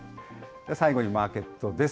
最後にマーケットです。